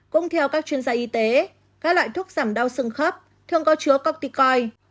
cũng theo các chuyên gia y tế các loại thuốc giảm đau sưng khớp thường có chứa corticoin